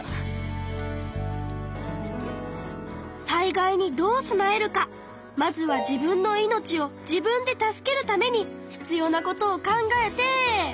災害にどう備えるかまずは自分の命を自分で助けるために必要なことを考えて。